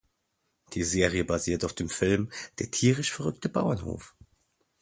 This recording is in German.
Die Serie basiert auf dem Film Der tierisch verrückte Bauernhof.